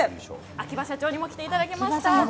秋葉社長にも来ていただきました。